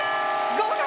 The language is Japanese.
合格！